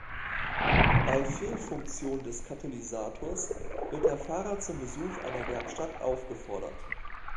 Bei Fehlfunktion des Katalysators wird der Fahrer zum Besuch einer Werkstatt aufgefordert.